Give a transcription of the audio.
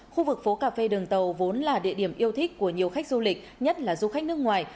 khu vực phố cà phê đường tàu vốn là địa điểm yêu thích của nhiều khách du lịch nhất là du khách nước ngoài